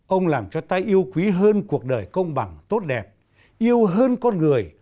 ông làm cho ta yêu quý hơn cuộc đời công bằng tốt đẹp yêu hơn con người